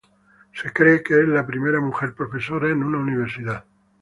Se cree que es la primera mujer profesora en una universidad.